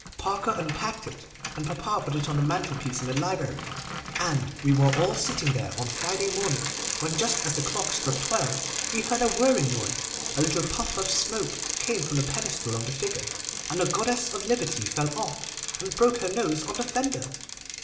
Parker unpacked it, and papa put it on the mantelpiece in the library, and we were all sitting there on Friday morning, when just as the clock struck twelve, we heard a whirring noise, a little puff of smoke came from the pedestal of the figure, and the goddess of Liberty fell off, and broke her nose on the fender!